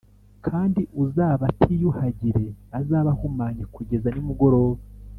Kandi uzaba atiyuhagire azaba ahumanye kugeza nimugoroba